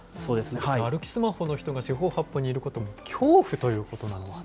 歩きスマホの人が四方八方にいること、恐怖ということなんですね。